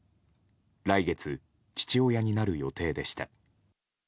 来月、父親になる予定でした。